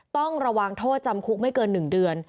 ต้องระวังโทษจำคุกไม่เกิน๑เดือน